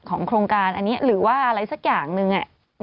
โครงการอันนี้หรือว่าอะไรสักอย่างหนึ่ง